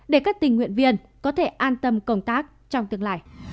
để các tình nguyện viên có thể an tâm công tác trong tương lai